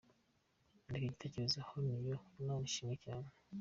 Andika Igitekerezo Hano yooo Imana ishimwecyane.